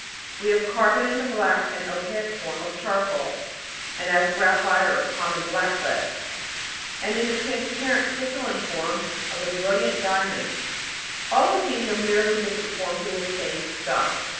We have carbon in the black and opaque form of charcoal, and as graphite or common black lead, and in the transparent crystalline form of a brilliant diamond. All these things are merely different forms of the same "stuff."